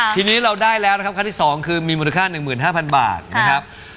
ทีนี้เราได้แล้วนะครับขั้นที่๒คือมีมูลค่า๑๕๐๐บาทนะครับ